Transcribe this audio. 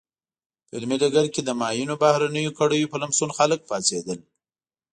په علمي ډګر کې د معینو بهرنیو کړیو په لمسون خلک پاڅېدل.